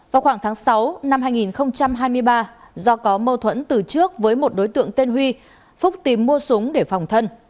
vào khoảng tháng sáu năm hai nghìn hai mươi ba do có mâu thuẫn từ trước với một đối tượng tên huy phúc tìm mua súng để phòng thân